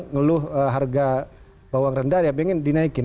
ngeluh harga bawang rendah ya pengen dinaikin